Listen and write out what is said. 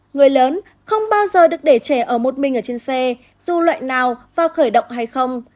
người lớn không bao giờ được để trẻ ở một mình ở trên xe dù loại nào vào khởi động hay không